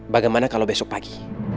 bagaimana kalau besok pagi